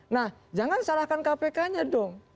nah jangan salahkan kpk nya dong